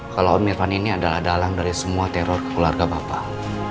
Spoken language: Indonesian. kalau om irvan ini adalah dalang dari semua teror ke keluarga bapak